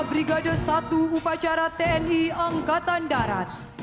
di bawah pimpinan mayor arhanud i